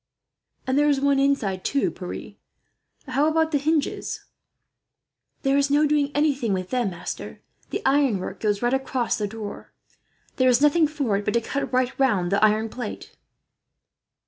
"And there is one inside too, Pierre. How about the hinges, Pierre?" "There is no doing anything with them, master. The ironwork goes right across the door. There is nothing for it, but to cut right round the iron plate."